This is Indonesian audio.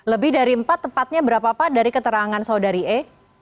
lebih dari empat tepatnya berapa pak dari keterangan saudari e